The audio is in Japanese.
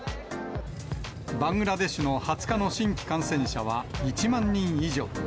バングラデシュの２０日の新規感染者は１万人以上。